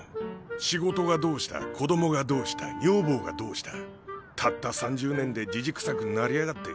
仕事がどうした子供がどうした女房がどうしたたった３０年でジジくさくなりやがって。